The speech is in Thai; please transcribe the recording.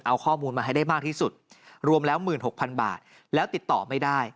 เอาข้อมูลมาให้ได้มากที่สุดรวมแล้ว๑๖๐๐๐บาทแล้วติดต่อไม่ได้